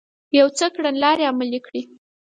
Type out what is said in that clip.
يو څه کړنلارې عملي کړې